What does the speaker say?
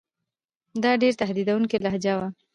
دا ډېره تهدیدوونکې لهجه وه.